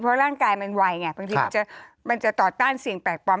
เพราะร่างกายมันไวไงบางทีมันจะต่อต้านสิ่งแปลกปลอม